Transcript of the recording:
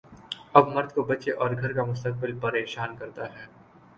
اب مرد کو بچے اور گھر کا مستقبل پریشان کرتا ہے۔